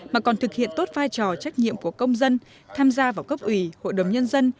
mà còn thực hiện tốt vai trò trách nhiệm của công dân tham gia vào cấp ủy hội đồng nhân dân